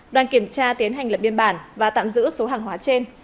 đoàn kiểm tra tiến hành lập biên bản và tạm giữ số hàng hóa trên